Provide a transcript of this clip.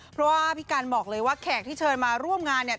เพราะว่าพี่กันบอกเลยว่าแขกที่เชิญมาร่วมงานเนี่ย